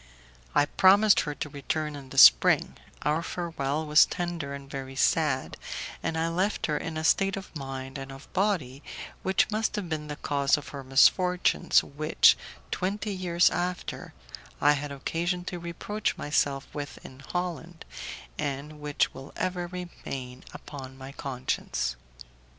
I promised her to return in the spring; our farewell was tender and very sad, and I left her in a state of mind and of body which must have been the cause of her misfortunes, which, twenty years after, I had occasion to reproach myself with in Holland, and which will ever remain upon my conscience.